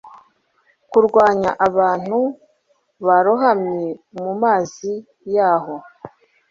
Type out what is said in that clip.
kurwanya abantu barohamye mu mazi yaho